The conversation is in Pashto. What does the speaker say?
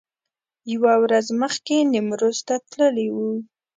یوه ورځ مخکې نیمروز ته تللي و.